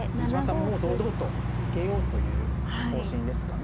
もう堂々と受けようという方針ですかね。